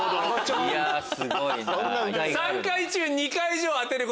いやすごいな。